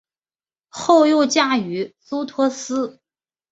后又嫁予苏托斯。